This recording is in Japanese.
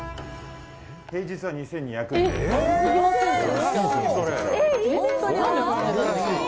平日は２２００円で。